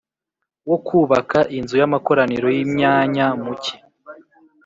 wo kubaka Inzu y Amakoraniro y imyanya mu ki